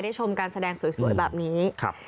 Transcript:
ได้ชมการแสดงสวยแบบนี้